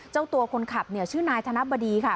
เจ้าตัวคนขับเนี่ยชื่อนายธนบดีค่ะ